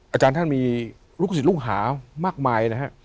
อาจารย์ท่านมีลูกศิษย์ลูกหามากมายนะฮะ